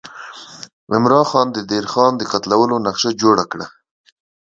عمرا خان د دیر خان د قتلولو نقشه جوړه کړه.